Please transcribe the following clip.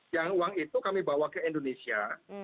yang uang itu kami bawa ke indonesia